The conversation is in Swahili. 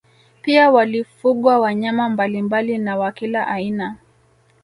Pia walifugwa wanyama mbalimbali na wa kila aina